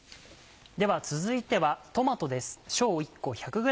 では続いてはトマトです。